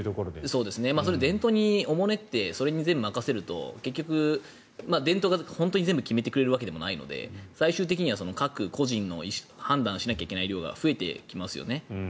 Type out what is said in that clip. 伝統におもねってそれに全部任せると結局、伝統が全部決めてくれるわけでもないので、最終的には各個人の判断しなきゃいけない量が増えてきますよね。